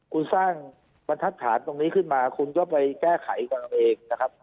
คุณสร้างบรรทัศน์ตรงนี้ขึ้นมาคุณก็ไปแก้ไขกันเองนะครับ